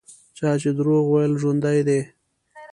چا چې دروغ ویل ژوندي دي.